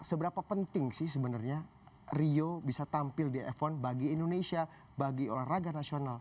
seberapa penting sih sebenarnya rio bisa tampil di f satu bagi indonesia bagi olahraga nasional